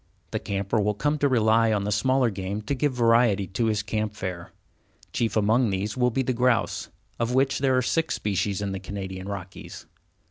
The camper will come to rely on the smaller game to give variety to his camp fare. Chief among these will be the grouse, of which there are six species in the Canadian Rockies.